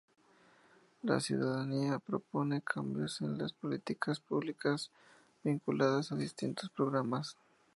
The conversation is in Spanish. La ciudadanía propone cambios en las políticas públicas vinculadas a distintos programas.